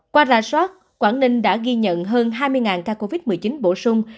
qua ra soát quảng ninh đã ghi nhận hơn hai mươi ca covid một mươi chín bổ sung